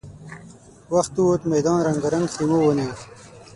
وخت ووت، ميدان رنګارنګ خيمو ونيو.